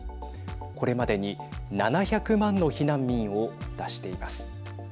これまでに７００万の避難民を出しています。